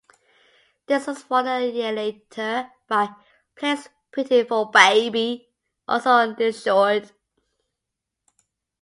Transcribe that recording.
This was followed a year later by "Plays Pretty for Baby", also on Dischord.